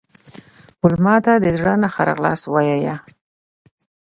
مېلمه ته د زړه نه ښه راغلاست ووایه.